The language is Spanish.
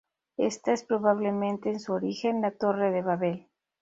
Esta es probablemente en su origen la torre de Babel.